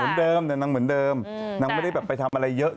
เหมือนเดิมแต่นางเหมือนเดิมนางไม่ได้แบบไปทำอะไรเยอะ